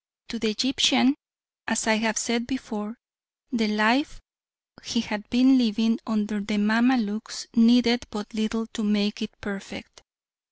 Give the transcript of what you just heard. To the Egyptian, as I have said before, the life he had been living under the Mamaluks needed but little to make it perfect.